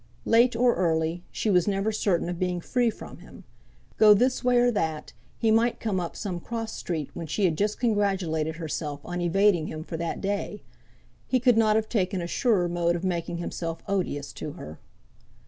Late or early, she was never certain of being free from him. Go this way or that, he might come up some cross street when she had just congratulated herself on evading him for that day. He could not have taken a surer mode of making himself odious to her.